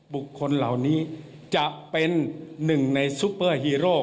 บุคคลเหล่านี้จะเป็นหนึ่งในซุปเปอร์ฮีโร่